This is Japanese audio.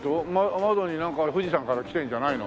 窓になんか富士山から来てるんじゃないの？